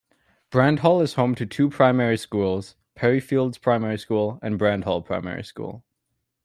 Brandhall is home to two primary schools, Perryfields Primary School and Brandhall Primary School.